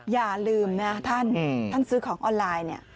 อย่าลืมนะท่านท่านซื้อของออนไลน์เนี่ย